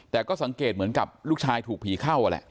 แต่ก็สังเกตเหมือนกับลูกชายถูกผีเข้าแหละ